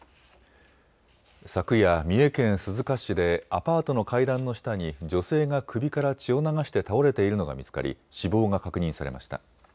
昨夜、三重県鈴鹿市でアパートの階段の下に女性が首から血を流して倒れているのが見つかり死亡が確認されました。